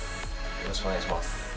よろしくお願いします